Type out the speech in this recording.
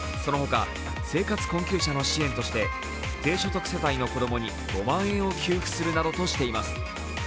その他、生活困窮者の支援として低所得世帯の子どもに５万円を給付するなどとしています。